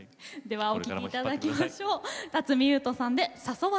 お聴きいただきましょう。